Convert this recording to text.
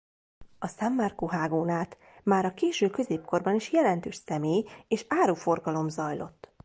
A San Marco-hágón át már a késő középkorban is jelentős személy- és áruforgalom zajlott.